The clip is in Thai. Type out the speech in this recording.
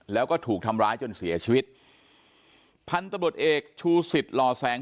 แล้วก็ถูกทำร้ายจนเสียชีวิตพันธบทเอกชูสิทธิ์หล่อแสง